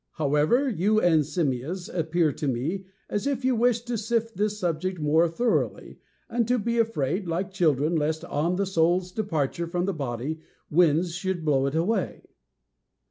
_ However, you and Simmias appear to me as if you wished to sift this subject more thoroughly, and to be afraid, like children, lest, on the soul's departure from the body, winds should blow it away.